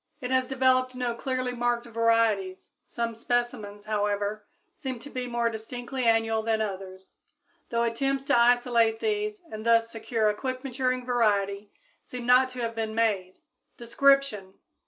It has developed no clearly marked varieties; some specimens, however, seem to be more distinctly annual than others, though attempts to isolate these and thus secure a quick maturing variety seem not to have been made. _Description.